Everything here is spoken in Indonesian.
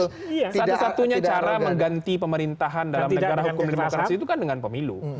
satu satunya cara mengganti pemerintahan dalam negara hukum demokrasi itu kan dengan pemilu